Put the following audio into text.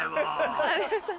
有吉さん